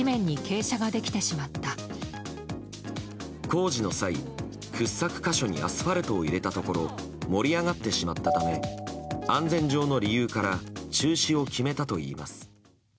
工事の際、掘削箇所にアスファルトを入れたところ盛り上がってしまったため安全上の理由から中止を決めたといいます。